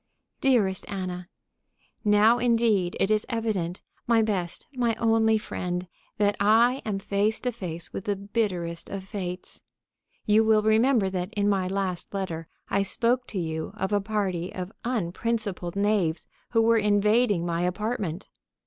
_ DEAREST ANNA: Now, indeed, it is evident, my best, my only friend, that I am face to face with the bitterest of fates. You will remember that in my last letter I spoke to you of a party of unprincipled knaves who were invading my apartment.